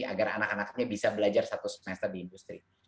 agar anak anaknya bisa belajar satu semester di industri